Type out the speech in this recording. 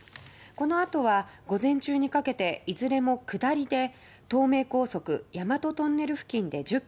このあとは午前中にかけていずれも下りで東名高速大和トンネル付近で１０ｋｍ